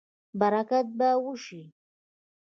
برکت به وشي